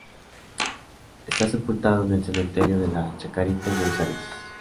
Está sepultado en el Cementerio de la Chacarita en Buenos Aires.